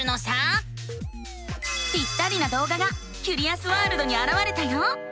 ぴったりなどうががキュリアスワールドにあらわれたよ。